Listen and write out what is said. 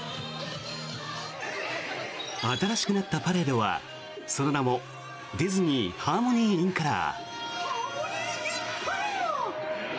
新しくなったパレードはその名もディズニー・ハーモニー・イン・カラー。